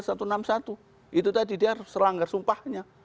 itu tadi dia harus selanggar sumpahnya